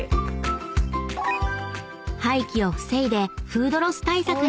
［廃棄を防いでフードロス対策に］